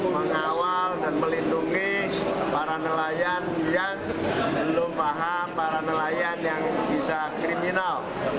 mengawal dan melindungi para nelayan yang belum paham para nelayan yang bisa kriminal